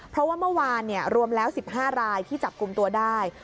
เพราะว่าเมื่อวานรวมแล้ว๑๕รายที่จับกลุ่มตัวได้